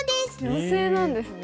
妖精なんですね。